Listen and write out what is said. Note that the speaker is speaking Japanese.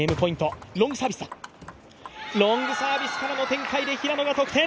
ロングサービスからの展開で平野が得点。